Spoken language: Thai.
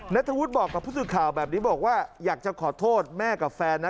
นัทธวุฒิบอกกับผู้สื่อข่าวแบบนี้บอกว่าอยากจะขอโทษแม่กับแฟนนะ